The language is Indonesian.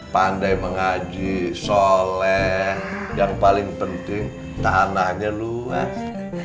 pandai mengaji soleh yang paling penting tanahnya luas